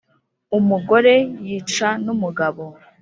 umugore, yica, numugabo